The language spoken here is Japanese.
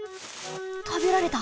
たべられた。